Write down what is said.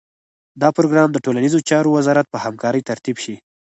دا پروګرام د ټولنیزو چارو وزارت په همکارۍ ترتیب شي.